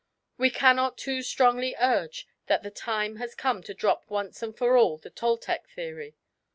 We cannot too strongly urge that the time has come to drop once and for all the Toltec theory.